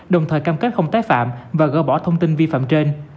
đồng thời cam kết không tái phạm và gỡ bỏ thông tin vi phạm trên